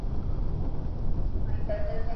مائي قدر ڪر.